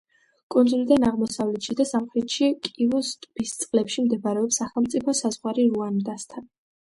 კუნძულიდან აღმოსავლეთში და სამხრეთში, კივუს ტბის წყლებში მდებარეობს სახელმწიფო საზღვარი რუანდასთან.